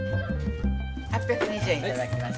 ８２０円いただきます。